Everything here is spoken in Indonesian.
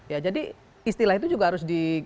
ya jadi istilah itu juga harus didudukkan dulu oleh